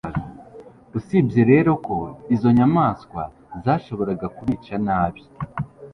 usibye rero ko izo nyamaswa zashoboraga kubica nabi